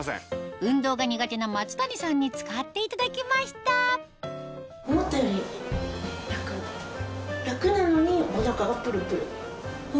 運動が苦手な松谷さんに使っていただきましたちなみに。